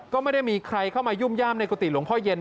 ก็ไม่ได้มีใครเข้ามายุ่มย่ามในกุฏิหลวงพ่อเย็น